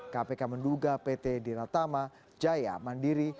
kpk menduga pt diratama jaya mandiri